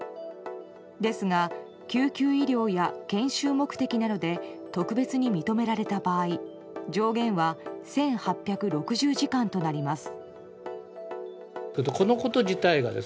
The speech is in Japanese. ですが救急医療や研修目的などで特別に認められた場合上限は１８６０時間となります。